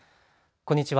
こんにちは。